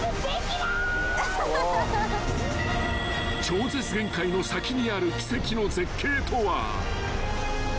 ［超絶限界の先にある奇跡の絶景とは］